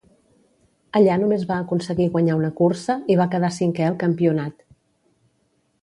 Allà només va aconseguir guanyar una cursa i va quedar cinquè al campionat.